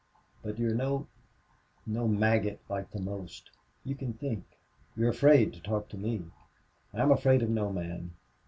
But you're no no maggot like the most. You can think. You're afraid to talk to me." "I'm afraid of no man.